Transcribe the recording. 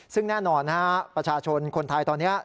ซึ่งแน่นอนประชาชนคนไทยตอนนี้